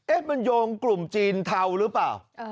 มันโยงกลุ่มจีนเทาหรือเปล่า